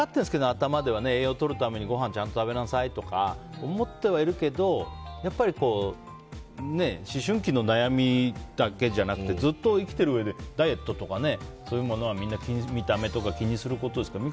頭では栄養とるためにごはんちゃんと食べなさいとか思ってはいるけど思春期の悩みだけじゃなくて生きてるうえでダイエットとかそういうものはみんな見た目とか気にするものですから。